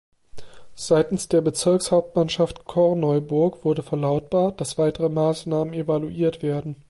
Seitens der Bezirkshauptmannschaft Korneuburg wurde verlautbart, dass weitere Maßnahmen evaluiert werden.